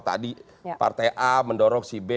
tadi partai a mendorong si b